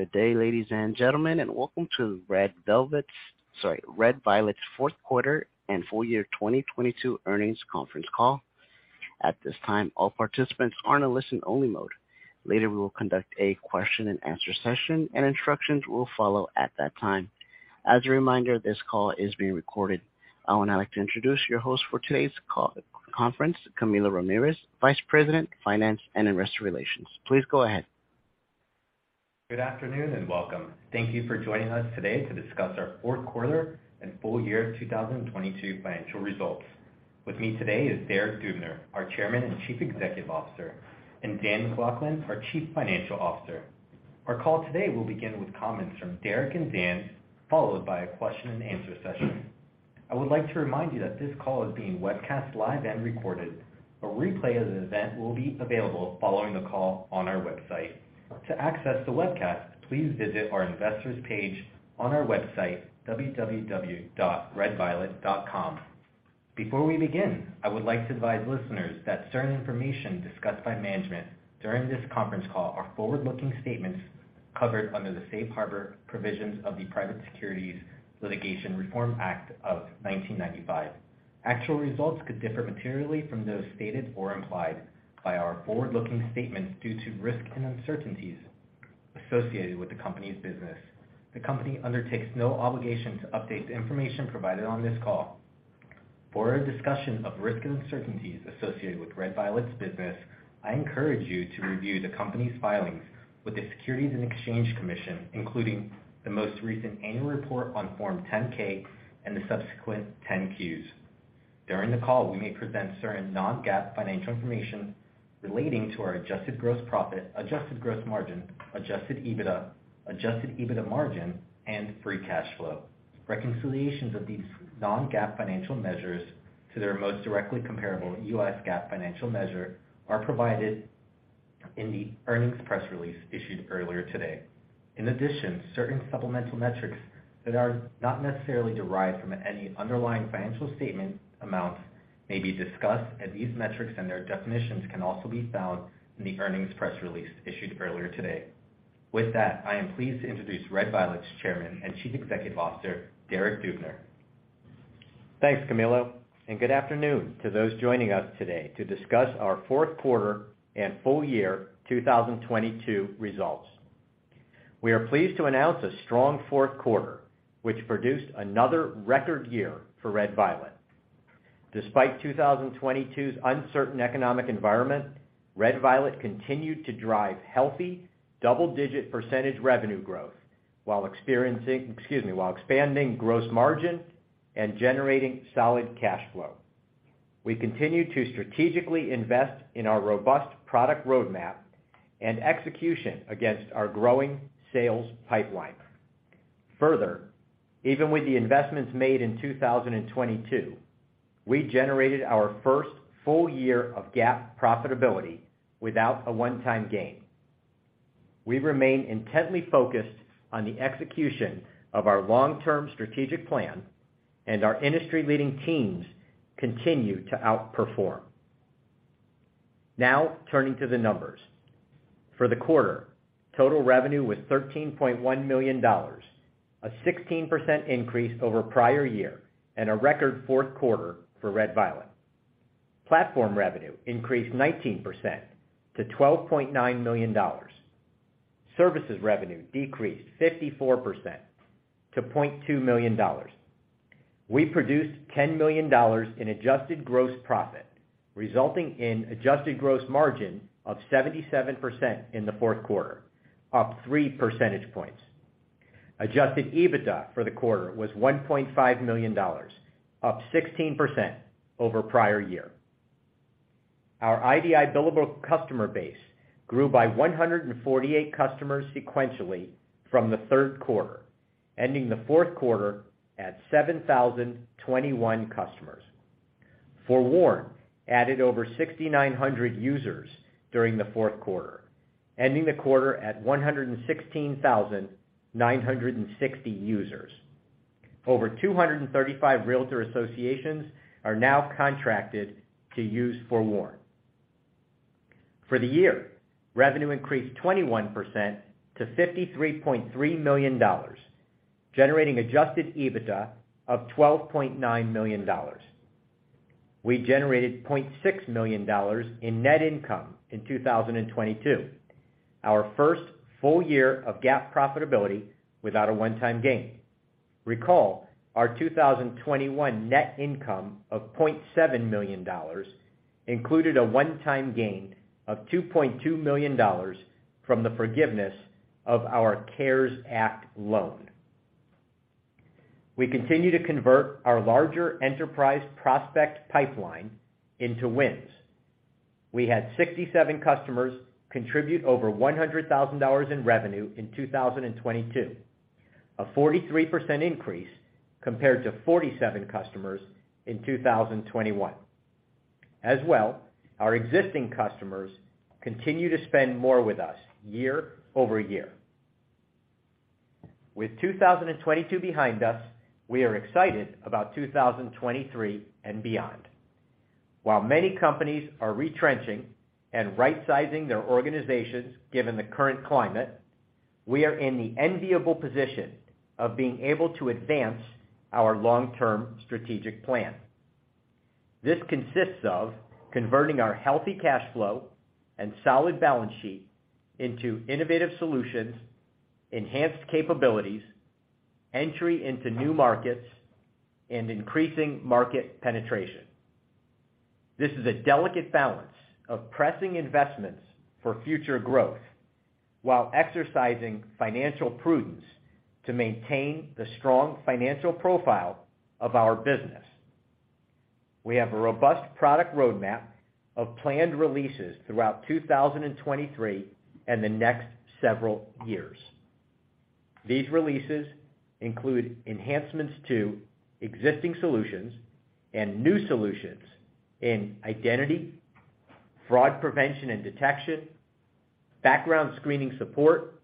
Good day, ladies and gentlemen, welcome to Red Violet's fourth quarter and full year 2022 earnings conference call. At this time, all participants are in a listen-only mode. Later, we will conduct a question-and-answer session, instructions will follow at that time. As a reminder, this call is being recorded. I would now like to introduce your host for today's conference, Camilo Ramirez, Vice President, Finance, and Investor Relations. Please go ahead. Good afternoon, and welcome. Thank you for joining us today to discuss our fourth quarter and full year 2022 financial results. With me today is Derek Dubner, our Chairman and Chief Executive Officer, and Dan MacLachlan, our Chief Financial Officer. Our call today will begin with comments from Derek and Dan, followed by a question-and-answer session. I would like to remind you that this call is being webcast live and recorded. A replay of the event will be available following the call on our website. To access the webcast, please visit our investors page on our website, www.redviolet.com. Before we begin, I would like to advise listeners that certain information discussed by management during this conference call are forward-looking statements covered under the Safe Harbor provisions of the Private Securities Litigation Reform Act of 1995. Actual results could differ materially from those stated or implied by our forward-looking statements due to risks and uncertainties associated with the company's business. The company undertakes no obligation to update the information provided on this call. For a discussion of risks and uncertainties associated with Red Violet's business, I encourage you to review the company's filings with the Securities and Exchange Commission, including the most recent Annual Report on Form 10-K and the subsequent 10-Qs. During the call, we may present certain non-GAAP financial information relating to our adjusted gross profit, adjusted gross margin, adjusted EBITDA, adjusted EBITDA margin, and free cash flow. Reconciliations of these non-GAAP financial measures to their most directly comparable US GAAP financial measure are provided in the earnings press release issued earlier today. Certain supplemental metrics that are not necessarily derived from any underlying financial statement amount may be discussed, and these metrics and their definitions can also be found in the earnings press release issued earlier today. With that, I am pleased to introduce Red Violet's Chairman and Chief Executive Officer, Derek Dubner. Thanks, Camilo. Good afternoon to those joining us today to discuss our fourth quarter and full year 2022 results. We are pleased to announce a strong fourth quarter, which produced another record year for Red Violet. Despite 2022's uncertain economic environment, Red Violet continued to drive healthy double-digit % revenue growth while expanding gross margin and generating solid cash flow. We continue to strategically invest in our robust product roadmap and execution against our growing sales pipeline. Even with the investments made in 2022, we generated our first full year of GAAP profitability without a one-time gain. We remain intently focused on the execution of our long-term strategic plan. Our industry-leading teams continue to outperform. Turning to the numbers. For the quarter, total revenue was $13.1 million, a 16% increase over prior year and a record fourth quarter for Red Violet. Platform revenue increased 19% to $12.9 million. Services revenue decreased 54% to $0.2 million. We produced $10 million in adjusted gross profit, resulting in adjusted gross margin of 77% in the fourth quarter, up 3 percentage points. Adjusted EBITDA for the quarter was $1.5 million, up 16% over prior year. Our IDI billable customer base grew by 148 customers sequentially from the third quarter, ending the fourth quarter at 7,021 customers. FOREWARN added over 6,900 users during the fourth quarter, ending the quarter at 116,960 users. Over 235 realtor associations are now contracted to use FOREWARN. For the year, revenue increased 21% to $53.3 million, generating adjusted EBITDA of $12.9 million. We generated $0.6 million in net income in 2022, our first full year of GAAP profitability without a one-time gain. Recall, our 2021 net income of $0.7 million included a one-time gain of $2.2 million from the forgiveness of our CARES Act loan. We continue to convert our larger enterprise prospect pipeline into wins. We had 67 customers contribute over $100,000 in revenue in 2022, a 43% increase compared to 47 customers in 2021. As well, our existing customers continue to spend more with us year-over-year. With 2022 behind us, we are excited about 2023 and beyond. While many companies are retrenching and rightsizing their organizations given the current climate, we are in the enviable position of being able to advance our long-term strategic plan. This consists of converting our healthy cash flow and solid balance sheet into innovative solutions, enhanced capabilities, entry into new markets, and increasing market penetration. This is a delicate balance of pressing investments for future growth while exercising financial prudence to maintain the strong financial profile of our business. We have a robust product roadmap of planned releases throughout 2023 and the next several years. These releases include enhancements to existing solutions and new solutions in identity, fraud prevention and detection, background screening support,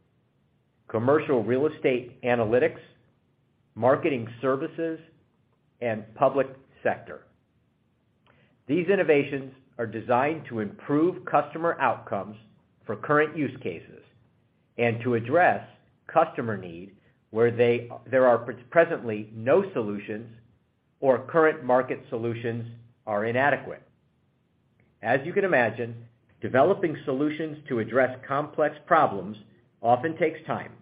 commercial real estate analytics, marketing services, and public sector. These innovations are designed to improve customer outcomes for current use cases and to address customer need where there are presently no solutions or current market solutions are inadequate. As you can imagine, developing solutions to address complex problems often takes time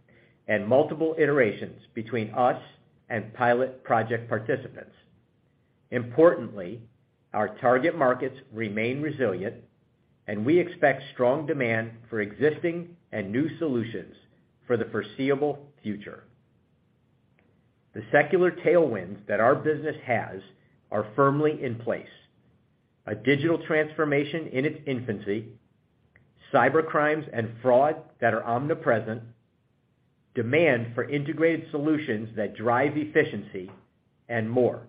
and multiple iterations between us and pilot project participants. Importantly, our target markets remain resilient, and we expect strong demand for existing and new solutions for the foreseeable future. The secular tailwinds that our business has are firmly in place. A digital transformation in its infancy, cybercrimes and fraud that are omnipresent, demand for integrated solutions that drive efficiency, More.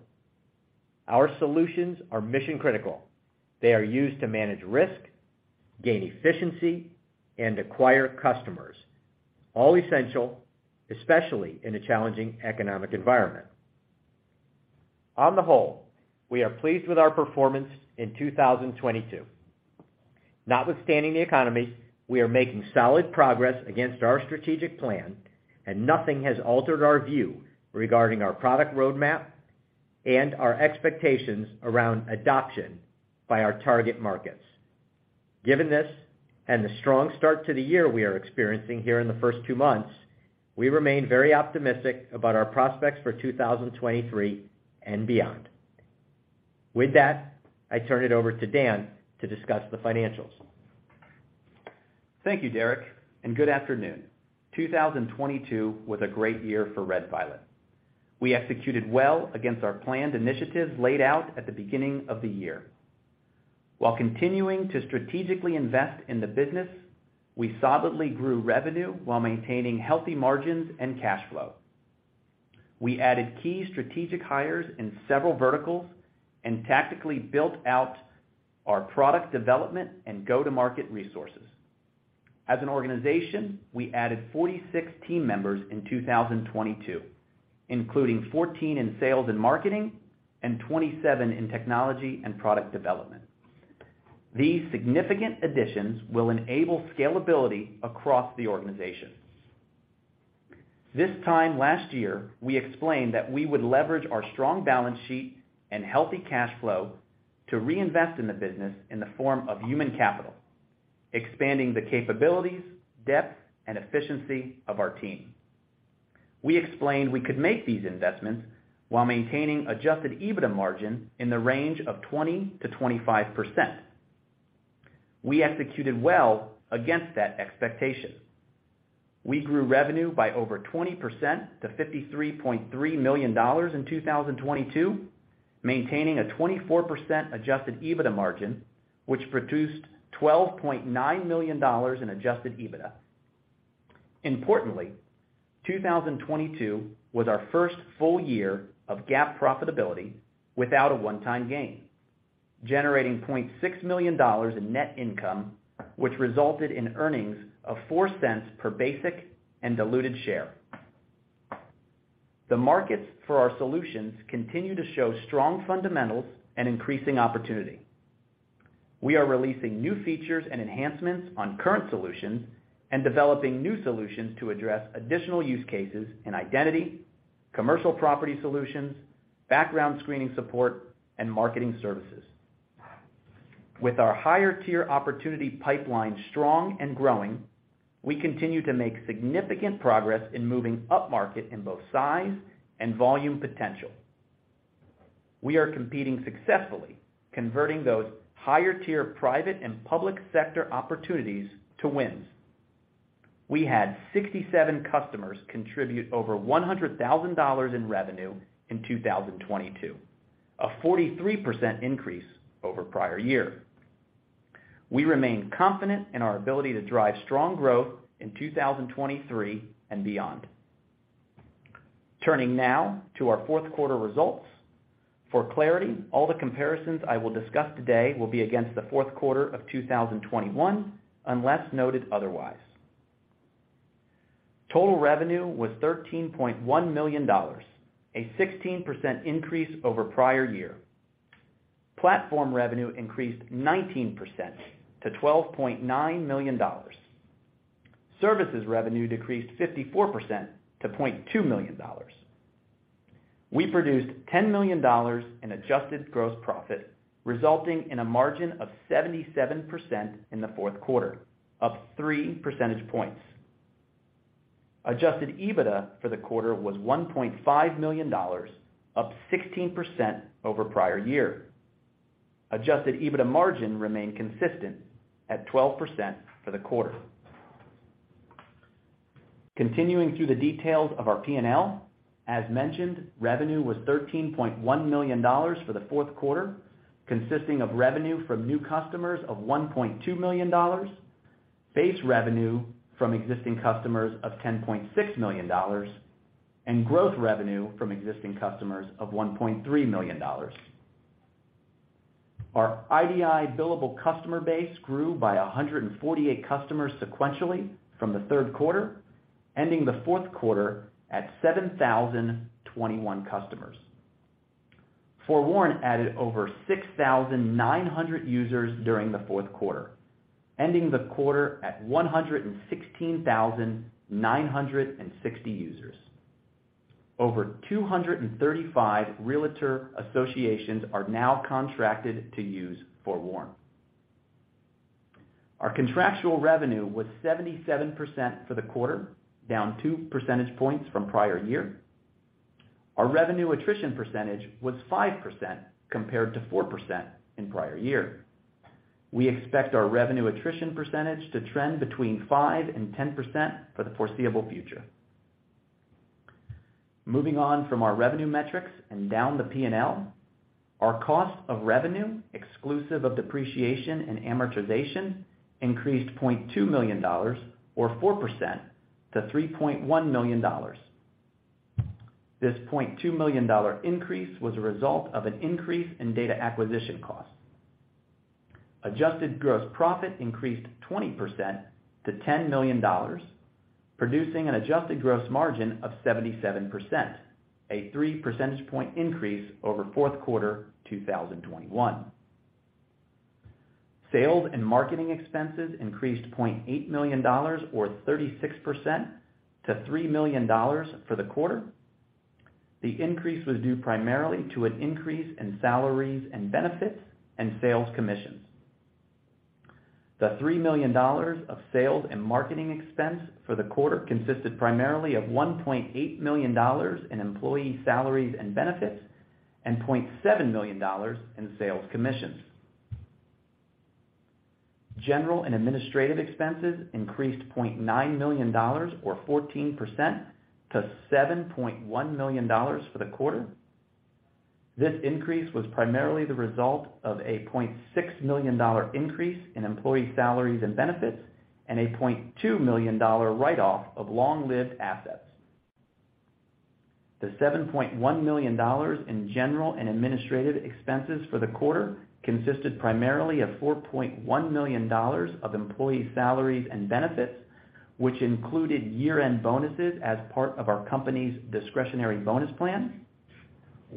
Our solutions are mission-critical. They are used to manage risk, gain efficiency, and acquire customers. All essential, especially in a challenging economic environment. On the whole, we are pleased with our performance in 2022. Notwithstanding the economy, we are making solid progress against our strategic plan, and nothing has altered our view regarding our product roadmap and our expectations around adoption by our target markets. Given this, and the strong start to the year we are experiencing here in the first two months, we remain very optimistic about our prospects for 2023 and beyond. With that, I turn it over to Dan to discuss the financials. Thank you, Derek. Good afternoon. 2022 was a great year for Red Violet. We executed well against our planned initiatives laid out at the beginning of the year. While continuing to strategically invest in the business, we solidly grew revenue while maintaining healthy margins and cash flow. We added key strategic hires in several verticals and tactically built out our product development and go-to-market resources. As an organization, we added 46 team members in 2022, including 14 in sales and marketing and 27 in technology and product development. These significant additions will enable scalability across the organization. This time last year, we explained that we would leverage our strong balance sheet and healthy cash flow to reinvest in the business in the form of human capital, expanding the capabilities, depth, and efficiency of our team. We explained we could make these investments while maintaining adjusted EBITDA margin in the range of 20%-25%. We executed well against that expectation. We grew revenue by over 20% to $53.3 million in 2022, maintaining a 24% adjusted EBITDA margin, which produced $12.9 million in adjusted EBITDA. Importantly, 2022 was our first full year of GAAP profitability without a one-time gain, generating $0.6 million in net income, which resulted in earnings of $0.04 per basic and diluted share. The markets for our solutions continue to show strong fundamentals and increasing opportunity. We are releasing new features and enhancements on current solutions and developing new solutions to address additional use cases in identity, commercial property solutions, background screening support, and marketing services. With our higher-tier opportunity pipeline strong and growing, we continue to make significant progress in moving upmarket in both size and volume potential. We are competing successfully, converting those higher-tier private and public sector opportunities to wins. We had 67 customers contribute over $100,000 in revenue in 2022, a 43% increase over prior year. We remain confident in our ability to drive strong growth in 2023 and beyond. Turning now to our fourth quarter results. For clarity, all the comparisons I will discuss today will be against the fourth quarter of 2021, unless noted otherwise. Total revenue was $13.1 million, a 16% increase over prior year. Platform revenue increased 19% to $12.9 million. Services revenue decreased 54% to $0.2 million. We produced $10 million in adjusted gross profit, resulting in a margin of 77% in the fourth quarter, up 3 percentage points. Adjusted EBITDA for the quarter was $1.5 million, up 16% over prior year. Adjusted EBITDA margin remained consistent at 12% for the quarter. Continuing through the details of our P&L, as mentioned, revenue was $13.1 million for the fourth quarter, consisting of revenue from new customers of $1.2 million, base revenue from existing customers of $10.6 million, and growth revenue from existing customers of $1.3 million. Our IDI billable customer base grew by 148 customers sequentially from the third quarter, ending the fourth quarter at 7,021 customers. FOREWARN added over 6,900 users during the fourth quarter, ending the quarter at 116,960 users. Over 235 realtor associations are now contracted to use FOREWARN. Our contractual revenue was 77% for the quarter, down 2 percentage points from prior year. Our revenue attrition percentage was 5% compared to 4% in prior year. We expect our revenue attrition percentage to trend between 5%-10% for the foreseeable future. Moving on from our revenue metrics and down the P&L. Our cost of revenue, exclusive of depreciation and amortization, increased $0.2 million or 4% to $3.1 million. This $0.2 million increase was a result of an increase in data acquisition costs. Adjusted gross profit increased 20% to $10 million, producing an adjusted gross margin of 77%, a 3 percentage point increase over fourth quarter 2021. Sales and marketing expenses increased $0.8 million or 36% to $3 million for the quarter. The increase was due primarily to an increase in salaries and benefits and sales commissions. The $3 million of sales and marketing expense for the quarter consisted primarily of $1.8 million in employee salaries and benefits and $0.7 million in sales commissions. General and administrative expenses increased $0.9 million or 14% to $7.1 million for the quarter. This increase was primarily the result of a $0.6 million increase in employee salaries and benefits and a $0.2 million write-off of long-lived assets. The $7.1 million in general and administrative expenses for the quarter consisted primarily of $4.1 million of employee salaries and benefits, which included year-end bonuses as part of our company's discretionary bonus plan,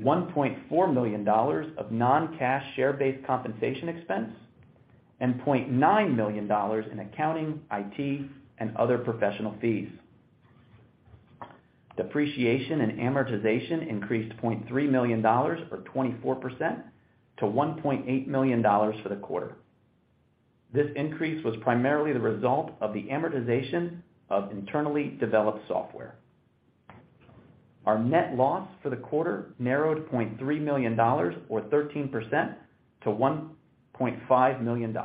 $1.4 million of non-cash share-based compensation expense, and $0.9 million in accounting, IT, and other professional fees. Depreciation and amortization increased $0.3 million or 24% to $1.8 million for the quarter. This increase was primarily the result of the amortization of internally developed software. Our net loss for the quarter narrowed $0.3 million or 13% to $1.5 million.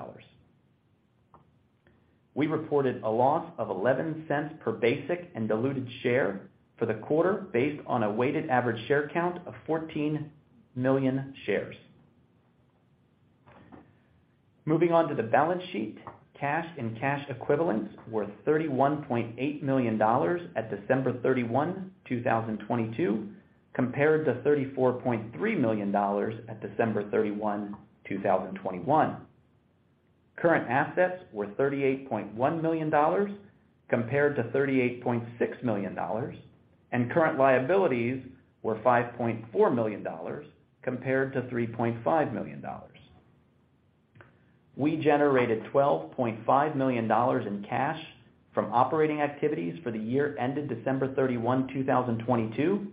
We reported a loss of $0.11 per basic and diluted share for the quarter based on a weighted average share count of 14 million shares. Moving on to the balance sheet. Cash and cash equivalents were $31.8 million at December 31, 2022, compared to $34.3 million at December 31, 2021. Current assets were $38.1 million compared to $38.6 million, and current liabilities were $5.4 million compared to $3.5 million. We generated $12.5 million in cash from operating activities for the year ended December 31, 2022,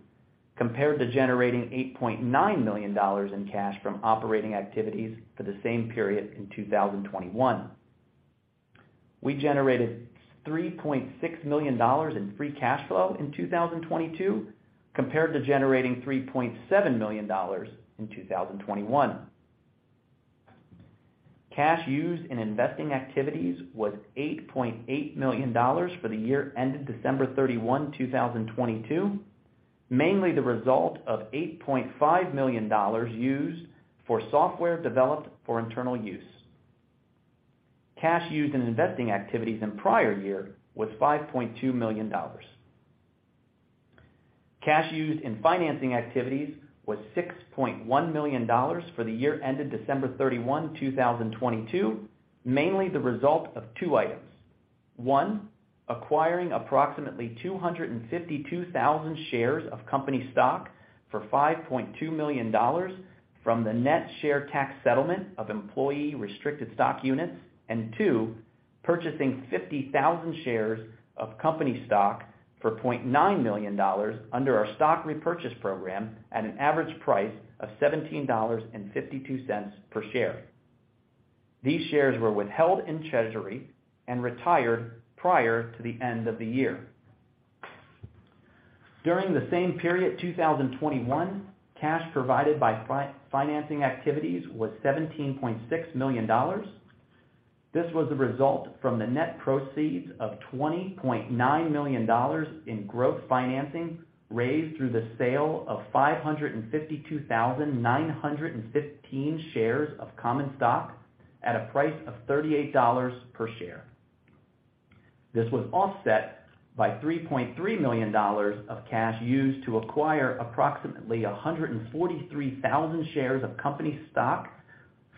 compared to generating $8.9 million in cash from operating activities for the same period in 2021. We generated $3.6 million in free cash flow in 2022, compared to generating $3.7 million in 2021. Cash used in investing activities was $8.8 million for the year ended December 31, 2022, mainly the result of $8.5 million used for software developed for internal use. Cash used in investing activities in prior year was $5.2 million. Cash used in financing activities was $6.1 million for the year ended December 31, 2022, mainly the result of two items. One, acquiring approximately 252,000 shares of company stock for $5.2 million from the net share tax settlement of employee restricted stock units. Two, purchasing 50,000 shares of company stock for $0.9 million under our stock repurchase program at an average price of $17.52 per share. These shares were withheld in treasury and retired prior to the end of the year. During the same period, 2021, cash provided by financing activities was $17.6 million. This was a result from the net proceeds of $20.9 million in growth financing raised through the sale of 552,915 shares of common stock at a price of $38 per share. This was offset by $3.3 million of cash used to acquire approximately 143,000 shares of company stock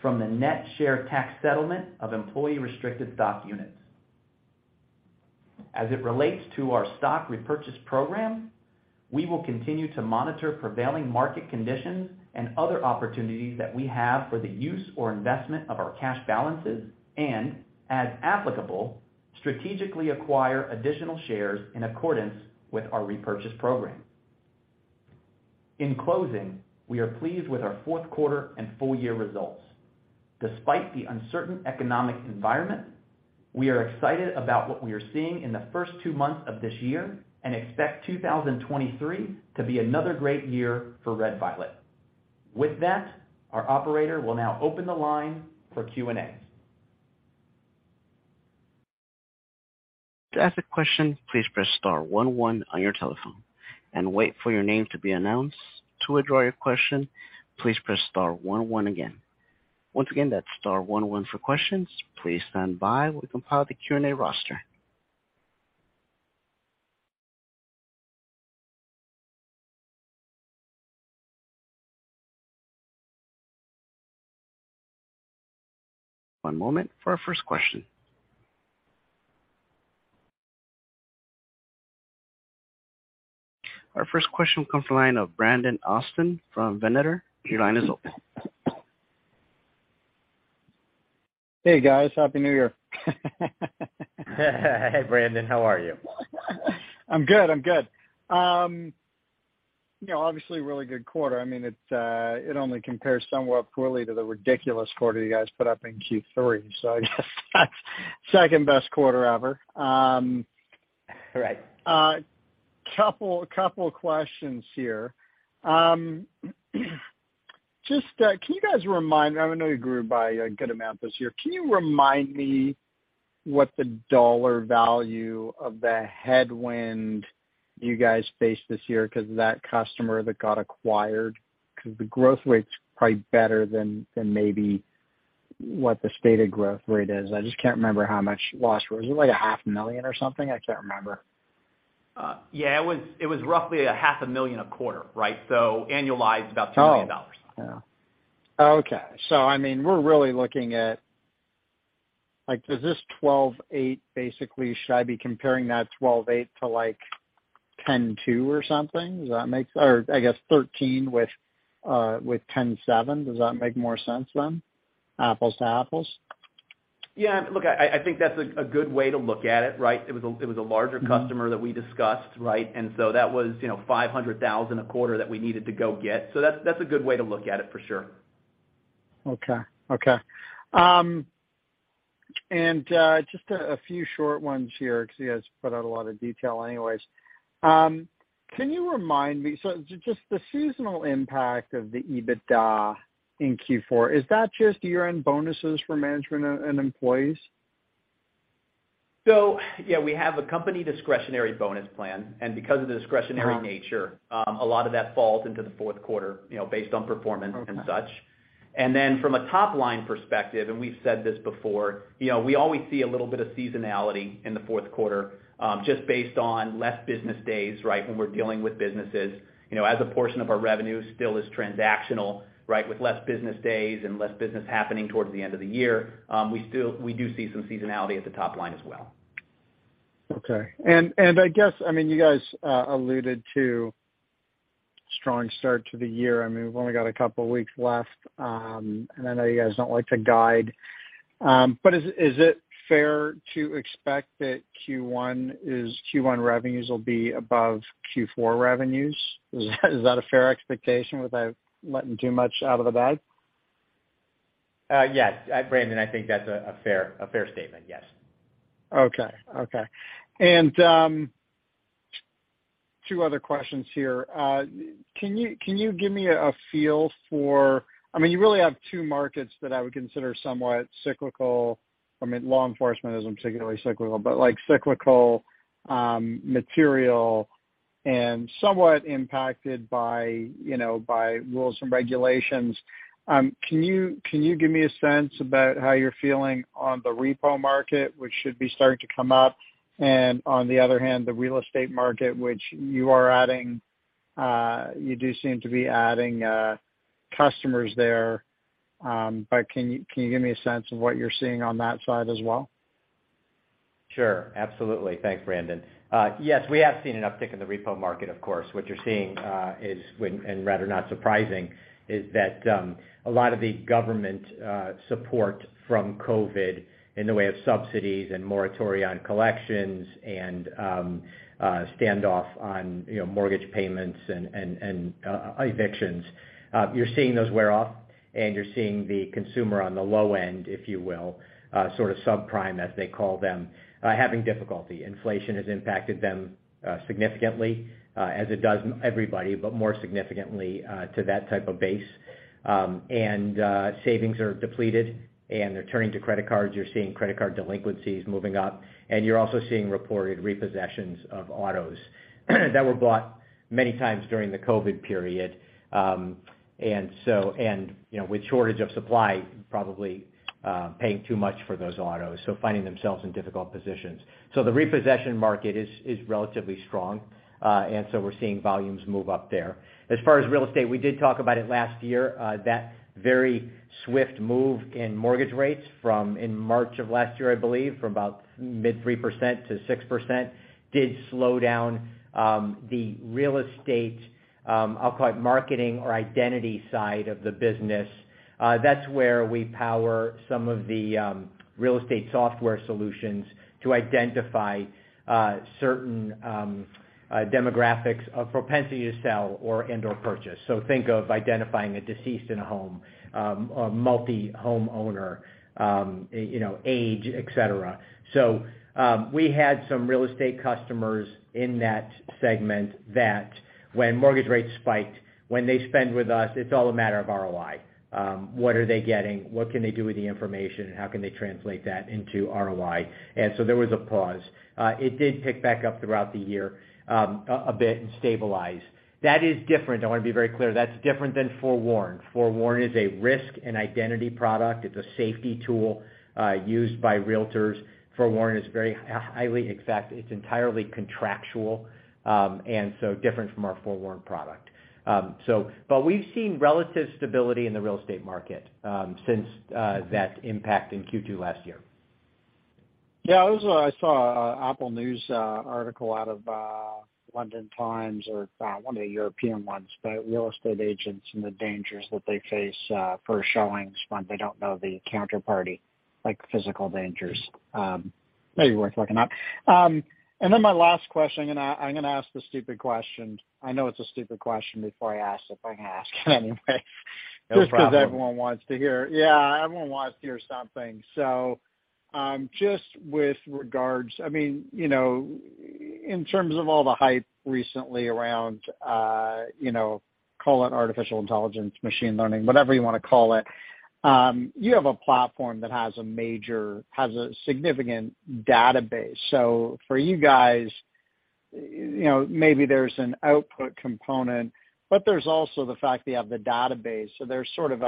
from the net share tax settlement of employee restricted stock units. As it relates to our stock repurchase program, we will continue to monitor prevailing market conditions and other opportunities that we have for the use or investment of our cash balances and, as applicable, strategically acquire additional shares in accordance with our repurchase program. In closing, we are pleased with our fourth quarter and full year results. Despite the uncertain economic environment, we are excited about what we are seeing in the first 2 months of this year and expect 2023 to be another great year for Red Violet. With that, our operator will now open the line for Q&A. To ask a question, please press star one one on your telephone and wait for your name to be announced. To withdraw your question, please press star one one again. Once again, that's star one one for questions. Please stand by. We compile the Q&A roster. One moment for our first question. Our first question comes from the line of Brandon Osten from Venator. Your line is open. Hey, guys. Happy New Year. Hey, Brandon. How are you? I'm good, I'm good. you know, obviously really good quarter. I mean, it's, it only compares somewhat poorly to the ridiculous quarter you guys put up in Q3. I guess that's second-best quarter ever. Right. Couple questions here. Just, can you guys remind... I know you grew by a good amount this year. Can you remind me what the dollar value of the headwind you guys faced this year 'cause of that customer that got acquired? The growth rate's probably better than maybe what the stated growth rate is. I just can't remember how much lost. Was it like a half million or something? I can't remember. yeah, it was roughly a half a million a quarter, right? Annualized about $2 million. Oh, yeah. Okay. I mean, we're really looking at, like, does this $12.8 basically should I be comparing that $12.8 to, like, $10.2 or something? I guess $13 with $10.7, does that make more sense, apples to apples? Yeah, look, I think that's a good way to look at it, right? It was a larger customer that we discussed, right? That was, you know, $500,000 a quarter that we needed to go get. That's a good way to look at it for sure. Okay. Okay. Just a few short ones here 'cause you guys put out a lot of detail anyways. Can you remind me, so just the seasonal impact of the EBITDA in Q4, is that just year-end bonuses for management and employees? yeah, we have a company discretionary bonus plan, and because of the discretionary nature... A lot of that falls into the fourth quarter, you know, based on performance and such. Okay. From a top-line perspective, and we've said this before, you know, we always see a little bit of seasonality in the fourth quarter, just based on less business days, right? When we're dealing with businesses, you know, as a portion of our revenue still is transactional, right? With less business days and less business happening towards the end of the year, we do see some seasonality at the top line as well. Okay. I guess, I mean, you guys alluded to strong start to the year. I mean, we've only got a couple weeks left. I know you guys don't like to guide. Is it fair to expect that Q1 revenues will be above Q4 revenues? Is that a fair expectation without letting too much out of the bag? Yes. Brandon, I think that's a fair, a fair statement, yes. Okay. Okay. two other questions here. can you give me a feel for... I mean, you really have two markets that I would consider somewhat cyclical. I mean, law enforcement isn't particularly cyclical, but like cyclical, material and somewhat impacted by, you know, by rules and regulations. can you give me a sense about how you're feeling on the repo market, which should be starting to come up, and on the other hand, the real estate market, which you are adding, you do seem to be adding, customers there. can you give me a sense of what you're seeing on that side as well? Sure. Absolutely. Thanks, Brandon. Yes, we have seen an uptick in the repo market, of course. What you're seeing, and rather not surprising, is that a lot of the government support from COVID in the way of subsidies and moratoria on collections and standoff on, you know, mortgage payments and evictions. You're seeing those wear off and you're seeing the consumer on the low end, if you will, sort of subprime, as they call them, having difficulty. Inflation has impacted them significantly, as it does everybody, but more significantly to that type of base. Savings are depleted and they're turning to credit cards. You're seeing credit card delinquencies moving up, and you're also seeing reported repossessions of autos that were bought many times during the COVID period. You know, with shortage of supply, probably paying too much for those autos, so finding themselves in difficult positions. The repossession market is relatively strong, we're seeing volumes move up there. As far as real estate, we did talk about it last year. That very swift move in mortgage rates from in March of last year, I believe, from about mid 3% to 6%, did slow down the real estate, I'll call it marketing or identity side of the business. That's where we power some of the real estate software solutions to identify certain demographics of propensity to sell or and/or purchase. Think of identifying a deceased in a home, a multi-home owner, you know, age, et cetera. We had some real estate customers in that segment that when mortgage rates spiked, when they spend with us, it's all a matter of ROI. What are they getting? What can they do with the information? How can they translate that into ROI? There was a pause. It did pick back up throughout the year, a bit and stabilize. That is different. I wanna be very clear. That's different than FOREWARN. FOREWARN is a risk and identity product. It's a safety tool, used by realtors. FOREWARN is very highly exact. It's entirely contractual, and so different from our FOREWARN product. We've seen relative stability in the real estate market, since that impact in Q2 last year. Yeah. I was, I saw Apple News article out of The Times or one of the European ones about real estate agents and the dangers that they face for showings when they don't know the counterparty, like physical dangers, maybe worth looking up. Then my last question, I'm gonna, I'm gonna ask the stupid question. I know it's a stupid question before I ask it, but I'm gonna ask it anyway No problem. Just 'cause everyone wants to hear. Yeah, everyone wants to hear something. Just with regards, I mean, you know, in terms of all the hype recently around, you know, call it artificial intelligence, machine learning, whatever you wanna call it. You have a platform that has a significant database. For you guys, you know, maybe there's an output component, but there's also the fact that you have the database. There's sort of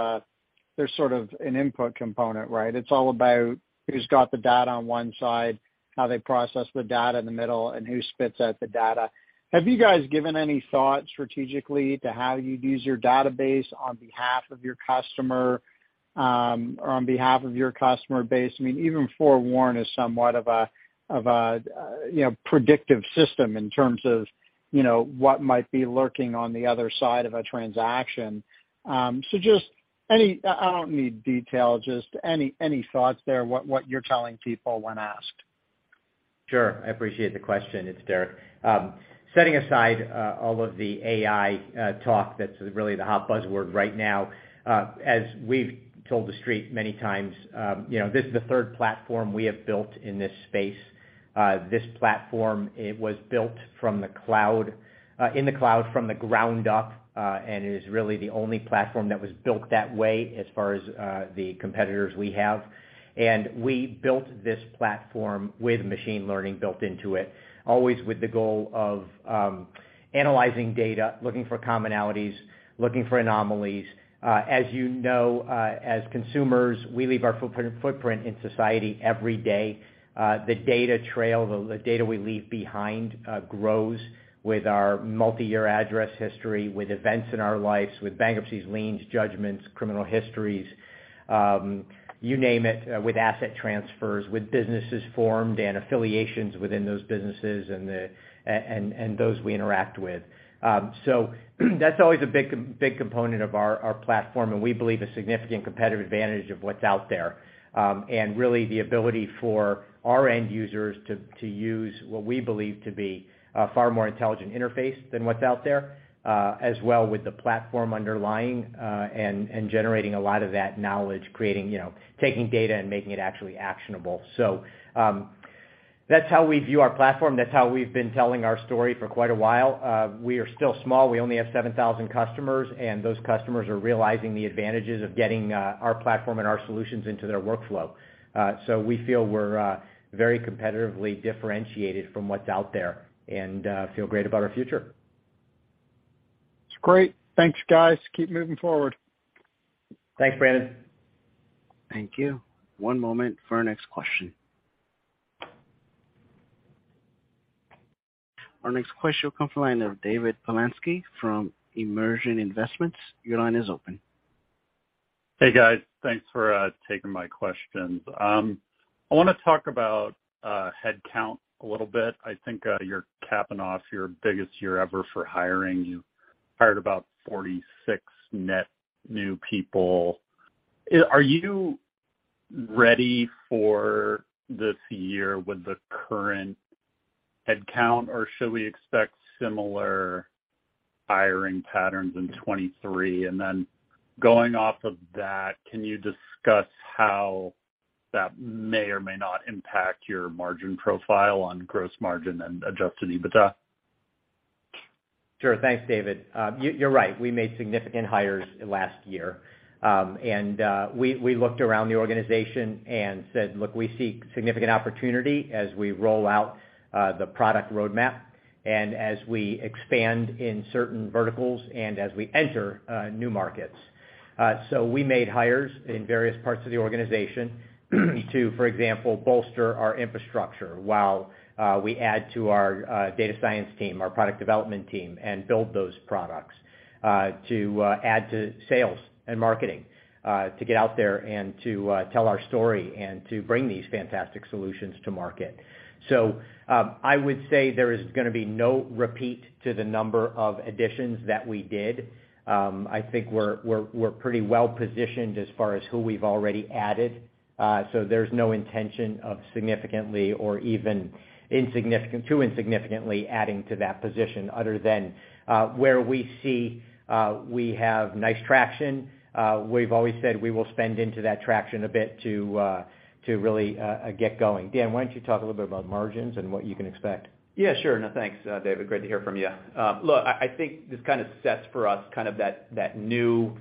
an input component, right? It's all about who's got the data on one side, how they process the data in the middle, and who spits out the data. Have you guys given any thought strategically to how you'd use your database on behalf of your customer, or on behalf of your customer base? I mean, even FOREWARN is somewhat of a, you know, predictive system in terms of, you know, what might be lurking on the other side of a transaction. I don't need detail, just any thoughts there, what you're telling people when asked? Sure. I appreciate the question. It's Derek. Setting aside all of the AI talk that's really the hot buzzword right now, as we've told the Street many times, you know, this is the third platform we have built in this space. This platform, it was built in the cloud from the ground up. It is really the only platform that was built that way as far as the competitors we have. We built this platform with machine learning built into it, always with the goal of analyzing data, looking for commonalities, looking for anomalies. As you know, as consumers, we leave our footprint in society every day. The data trail, the data we leave behind, grows with our multi-year address history, with events in our lives, with bankruptcies, liens, judgments, criminal histories, you name it, with asset transfers, with businesses formed and affiliations within those businesses and those we interact with. That's always a big component of our platform, and we believe a significant competitive advantage of what's out there. Really the ability for our end users to use what we believe to be a far more intelligent interface than what's out there, as well with the platform underlying, and generating a lot of that knowledge, creating, you know, taking data and making it actually actionable. That's how we view our platform. That's how we've been telling our story for quite a while. We are still small. We only have 7,000 customers. Those customers are realizing the advantages of getting our platform and our solutions into their workflow. We feel we're very competitively differentiated from what's out there and feel great about our future. It's great. Thanks, guys. Keep moving forward. Thanks, Brandon. Thank you. One moment for our next question. Our next question will come from the line of David Polansky from Immersion Investments. Your line is open. Hey, guys. Thanks for taking my questions. I wanna talk about head count a little bit. I think you're capping off your biggest year ever for hiring. You hired about 46 net new people. Are you ready for this year with the current head count, or should we expect similar hiring patterns in 2023? Going off of that, can you discuss how that may or may not impact your margin profile on gross margin and adjusted EBITDA? Sure. Thanks, David. You're right, we made significant hires last year. We looked around the organization and said, "Look, we see significant opportunity as we roll out the product roadmap and as we expand in certain verticals and as we enter new markets." We made hires in various parts of the organization to, for example, bolster our infrastructure while we add to our data science team, our product development team, and build those products to add to sales and marketing to get out there and to tell our story and to bring these fantastic solutions to market. I would say there is gonna be no repeat to the number of additions that we did. I think we're pretty well-positioned as far as who we've already added. There's no intention of significantly or even insignificantly adding to that position other than where we see we have nice traction. We've always said we will spend into that traction a bit to to really get going. Dan, why don't you talk a little bit about margins and what you can expect? Yeah, sure. No, thanks, David, great to hear from you. Look, I think this kind of sets for us kind of that new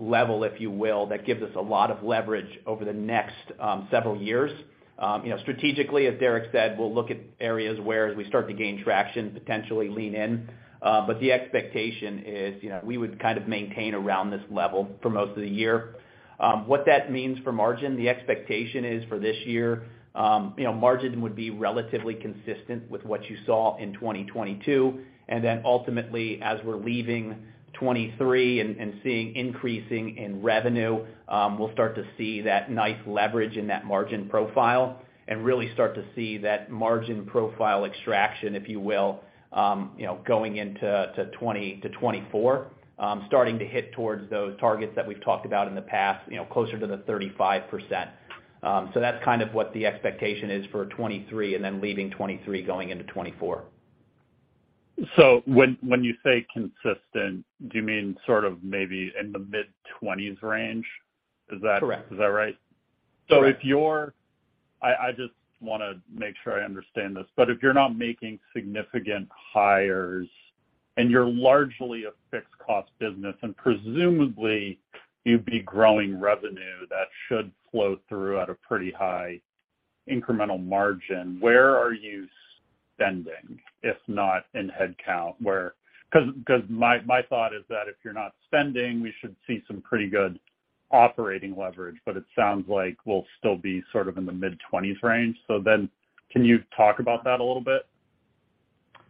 level, if you will, that gives us a lot of leverage over the next several years. You know, strategically, as Derek said, we'll look at areas where as we start to gain traction, potentially lean in. The expectation is, you know, we would kind of maintain around this level for most of the year. What that means for margin, the expectation is for this year, you know, margin would be relatively consistent with what you saw in 2022. Ultimately, as we're leaving 2023 and seeing increasing in revenue, we'll start to see that nice leverage in that margin profile and really start to see that margin profile extraction, if you will, you know, going into 2024, starting to hit towards those targets that we've talked about in the past, you know, closer to the 35%. So that's kind of what the expectation is for 2023 and then leaving 2023 going into 2024. When you say consistent, do you mean sort of maybe in the mid-20s range? Is that? Correct. Is that right? Correct. If you're... I just wanna make sure I understand this. If you're not making significant hires and you're largely a fixed cost business, and presumably you'd be growing revenue, that should flow through at a pretty high incremental margin, where are you spending, if not in headcount? 'Cause my thought is that if you're not spending, we should see some pretty good operating leverage. It sounds like we'll still be sort of in the mid-20s% range. Can you talk about that a little bit?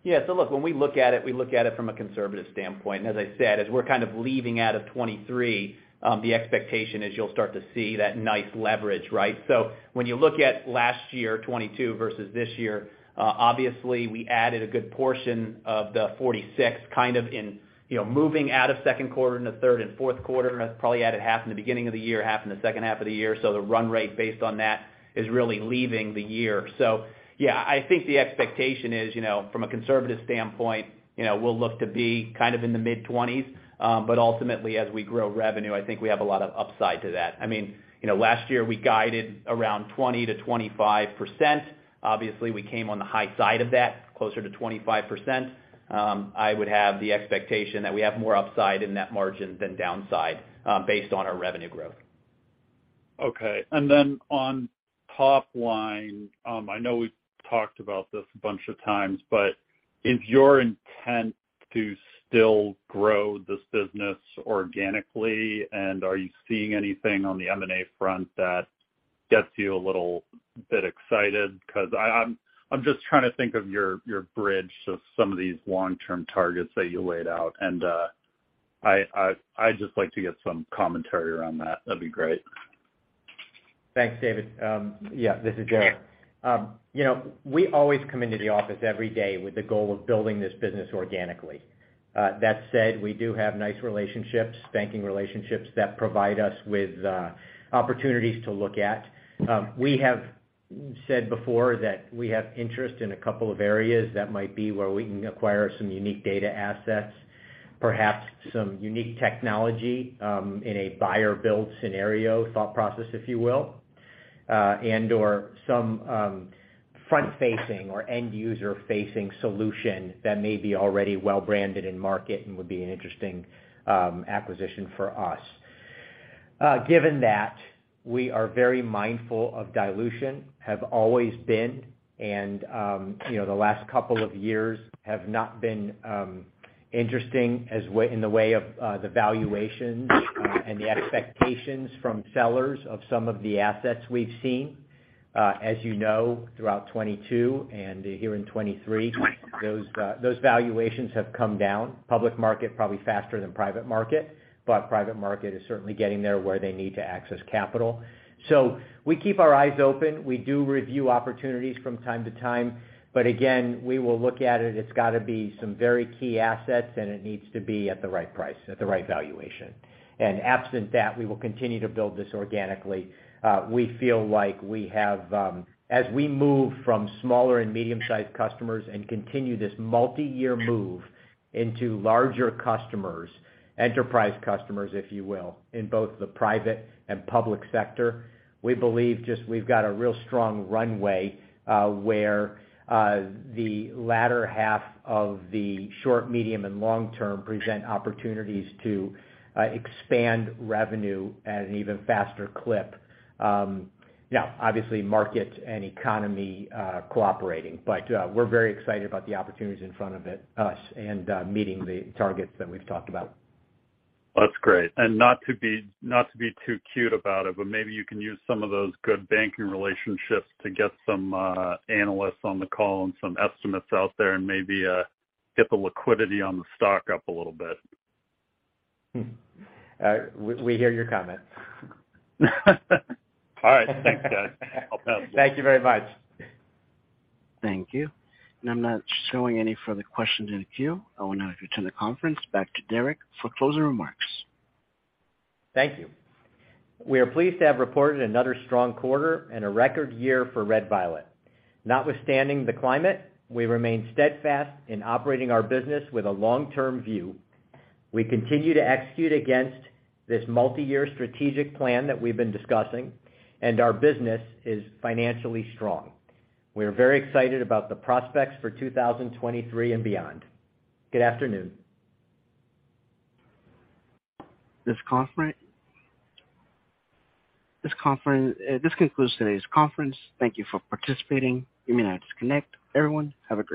Yeah. Look, when we look at it, we look at it from a conservative standpoint. As I said, as we're kind of leaving out of 2023, the expectation is you'll start to see that nice leverage, right? When you look at last year, 2022 versus this year, obviously we added a good portion of the 46 kind of in, you know, moving out of second quarter into third and fourth quarter. Probably added half in the beginning of the year, half in the second half of the year. The run rate based on that is really leaving the year. Yeah, I think the expectation is, you know, from a conservative standpoint, you know, we'll look to be kind of in the mid-20s. Ultimately, as we grow revenue, I think we have a lot of upside to that. I mean, you know, last year we guided around 20%-25%. Obviously, we came on the high side of that, closer to 25%. I would have the expectation that we have more upside in that margin than downside, based on our revenue growth. Okay. Then on top line, I know we've talked about this a bunch of times, but is your intent to still grow this business organically? Are you seeing anything on the M&A front that gets you a little bit excited? Cause I'm just trying to think of your bridge to some of these long-term targets that you laid out. I'd just like to get some commentary around that. That'd be great. Thanks, David. Yeah, this is Derek. You know, we always come into the office every day with the goal of building this business organically. That said, we do have nice relationships, banking relationships that provide us with opportunities to look at. We have said before that we have interest in a couple of areas that might be where we can acquire some unique data assets, perhaps some unique technology, in a buy or build scenario thought process, if you will. and/or some front-facing or end-user-facing solution that may be already well branded in market and would be an interesting acquisition for us. Given that we are very mindful of dilution, have always been, and, you know, the last couple of years have not been interesting in the way of the valuations and the expectations from sellers of some of the assets we've seen, as you know, throughout 2022 and here in 2023, those valuations have come down. Public market probably faster than private market, but private market is certainly getting there where they need to access capital. We keep our eyes open. We do review opportunities from time to time, but again, we will look at it. It's gotta be some very key assets, and it needs to be at the right price, at the right valuation. Absent that, we will continue to build this organically. We feel like we have, as we move from smaller and medium-sized customers and continue this multiyear move into larger customers, enterprise customers, if you will, in both the private and public sector, we believe just we've got a real strong runway, where the latter half of the short, medium, and long-term present opportunities to expand revenue at an even faster clip. Now obviously market and economy cooperating, but we're very excited about the opportunities in front of us, and meeting the targets that we've talked about. That's great. Not to be too cute about it, maybe you can use some of those good banking relationships to get some analysts on the call and some estimates out there and maybe get the liquidity on the stock up a little bit. We hear your comments. All right. Thanks, guys. I'll pass- Thank you very much. Thank you. I'm not showing any further questions in the queue. I will now return the conference back to Derek for closing remarks. Thank you. We are pleased to have reported another strong quarter and a record year for Red Violet. Notwithstanding the climate, we remain steadfast in operating our business with a long-term view. We continue to execute against this multiyear strategic plan that we've been discussing. Our business is financially strong. We are very excited about the prospects for 2023 and beyond. Good afternoon. This concludes today's conference. Thank you for participating. You may now disconnect. Everyone, have a great day.